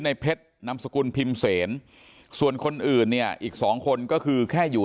ในเพชรนามสกุลพิมพ์เสนส่วนคนอื่นเนี่ยอีกสองคนก็คือแค่อยู่